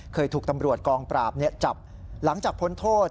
เคยถูกตำรวจกองปราบจับหลังจากพ้นโทษ